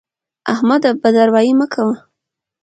احمده! بد اروايي مه کوه.